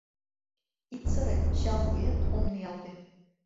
Ит сыре — чал вует ом ниялте.